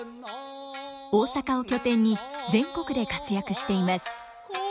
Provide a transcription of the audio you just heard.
大阪を拠点に全国で活躍しています。